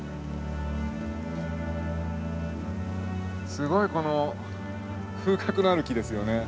すごいこの風格のある木ですよね。